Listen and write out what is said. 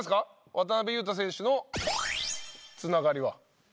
渡邊雄太選手のつながりは。